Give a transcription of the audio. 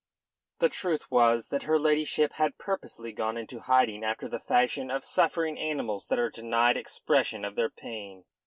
The truth was, that her ladyship had purposely gone into hiding, after the fashion of suffering animals that are denied expression of their pain.